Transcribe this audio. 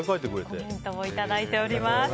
コメントをいただいております。